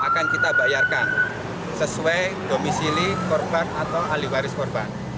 akan kita bayarkan sesuai domisili korban atau ahli waris korban